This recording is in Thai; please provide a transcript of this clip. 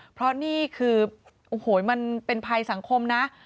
เพราะนี่คือโอ้โหมันเป็นภัยสังคมนะ